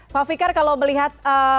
pak fikar kalau melihat